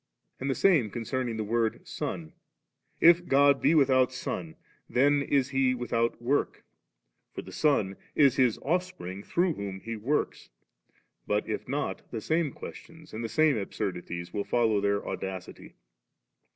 And the same concerning the word * Son ;' if God be without Son ^f then is He without Work ; for the Son is His Offspring through whom He works >'; but if not, the same questions and ^e same absurdities will follow their audacity.